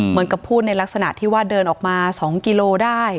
เหมือนกับพูดในลักษณะที่ว่าเดินออกมา๒กิโลได้